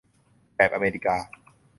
แบบอเมริกา